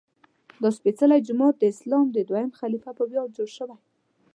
دا سپېڅلی جومات د اسلام د دویم خلیفه په ویاړ جوړ شوی.